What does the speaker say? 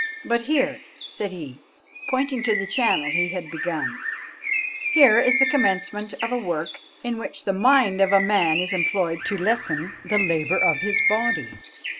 But here," said he, pointing to the channel he had begun, "here is the commencement of a work in which the mind of a man is employed to lessen the labour of his body.